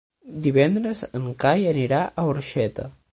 Divendres en Cai anirà a Orxeta.